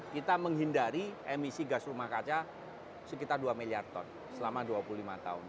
kita menghindari emisi gas rumah kaca sekitar dua miliar ton selama dua puluh lima tahun